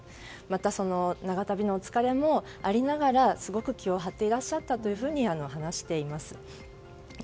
また長旅のお疲れもありながらすごく気を張っていらっしゃったと話しています。